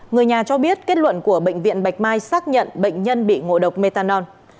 người nhà cho biết kết luận của bệnh viện bạch mai xác nhận bệnh nhân bị ngộ độc metanol